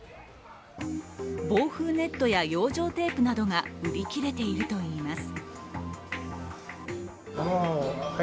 防風ネットや養生テープなどが売り切れているといいます。